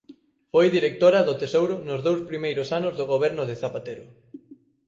Foi directora do Tesouro nos dous primeiros anos do Goberno de Zapatero.